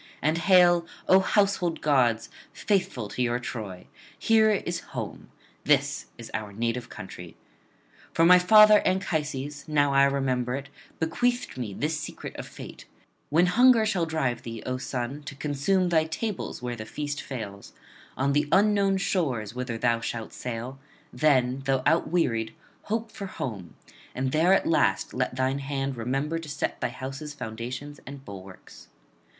and hail, O household gods, faithful to your Troy! here is home; this is our native country. For my father Anchises, now I remember it, bequeathed me this secret of fate: "When hunger shall drive thee, O son, to consume thy tables where the feast fails, on the unknown shores whither thou shalt sail; then, though outwearied, hope for home, and there at last let thine hand remember to set thy house's foundations and bulwarks."